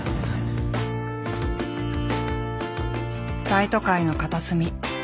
大都会の片隅。